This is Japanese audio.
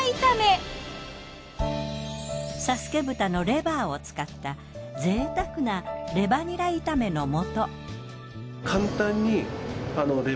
佐助豚のレバーを使ったぜいたくなレバニラ炒めの素。